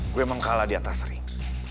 gue emang kalah di atas ring